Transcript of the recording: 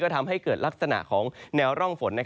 ทำให้เกิดลักษณะของแนวร่องฝน